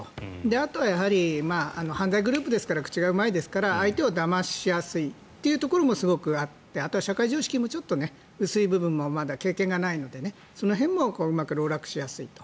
あとは犯罪グループですから口がうまいですから、相手をだましやすいというところもすごくあって、あとは社会常識もちょっと薄い部分もまだ経験がないのでその辺もうまくろうらくしやすいと。